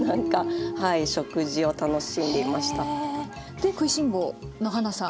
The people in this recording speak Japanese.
で食いしん坊のはなさん